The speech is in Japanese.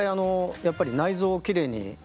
やっぱり内臓を奇麗に。